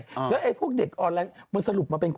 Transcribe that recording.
แล้วไอ้พวกเด็กออนไลน์มันสรุปมาเป็นคน